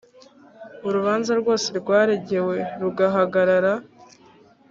urubanza rwose rwaregewe rugahagarara